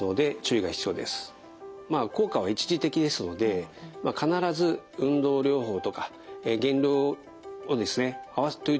まあ効果は一時的ですので必ず運動療法とか減量をですねといった保存療法ですね